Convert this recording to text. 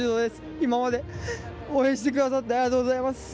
今まで応援してくださってありがとうございます。